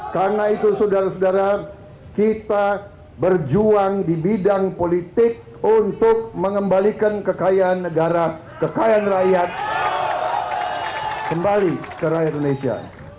karena itu saudara saudara kita berjuang di bidang politik untuk mengembalikan kekayaan negara kekayaan rakyat kembali ke rakyat indonesia